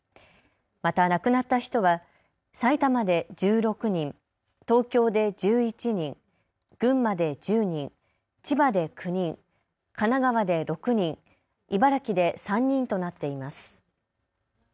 また亡くなった人は埼玉で１６人、東京で１１人、群馬で１０人、千葉で９人、神奈川で６人、茨城で３人となっています。